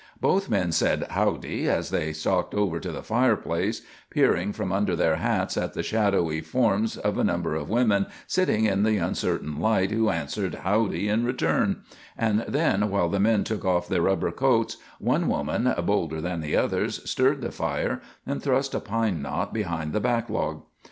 Both men said "Howdy" as they stalked over to the fireplace, peering from under their hats at the shadowy forms of a number of women sitting in the uncertain light, who answered "Howdy" in return; and then, while the men took off their rubber coats, one woman, bolder than the others, stirred the fire and thrust a pine knot behind the backlog.